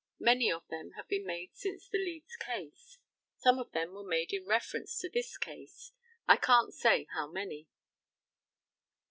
Many of them have been made since the Leeds case. Some of them were made in reference to this case. I can't say how many.